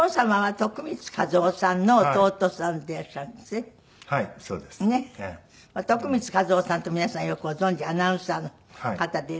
徳光和夫さんって皆さんよくご存じアナウンサーの方でいらっしゃって。